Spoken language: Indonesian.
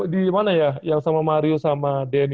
di mana ya yang sama mario sama denny